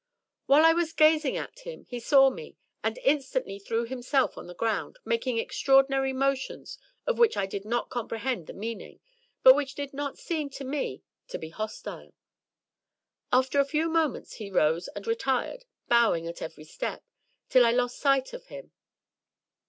While I was gazing at him he saw me, and instantly threw himself on the ground, making extraordinary motions, of which I did not comprehend the meaning, but which did not seem to me to be hostile. After a few moments he rose and retired, bowing at every step, till I lost sight of him.